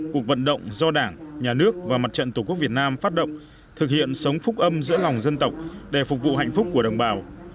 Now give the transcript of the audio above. cuộc vận động do đảng nhà nước và mặt trận tổ quốc việt nam phát động thực hiện sống phúc âm giữa ngòng dân tộc để phục vụ hạnh phúc của đồng bào